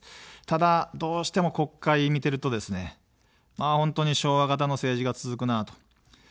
ただ、どうしても国会見てるとですね、本当に昭和型の政治が続くなと。